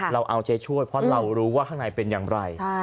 เราเอาใจช่วยเพราะเรารู้ว่าข้างในเป็นอย่างไร